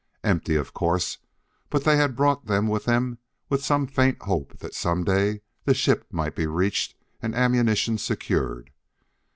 Empty, of course, but they had brought them with them with some faint hope that some day the ship might be reached and ammunition secured.